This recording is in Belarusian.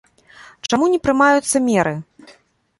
Чаму не прымаюцца меры?